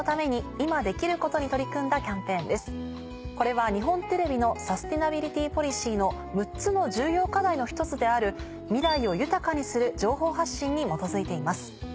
これは日本テレビのサステナビリティポリシーの６つの重要課題の１つである「未来を豊かにする情報発信」に基づいています。